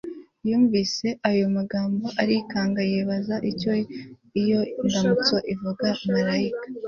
yumvise ayo magambo arikanga, yibaza icyo iyo ndamutso ivuga. malayika